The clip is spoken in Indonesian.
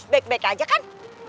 baik baik aja kan